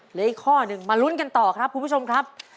เหลืออีกข้อหนึ่งมาลุ้นกันต่อครับคุณผู้ชมครับ